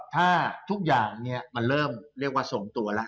ถ้าทุกอย่างมันเริ่มเรียกว่าทรงตัวแล้ว